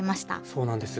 そうなんです。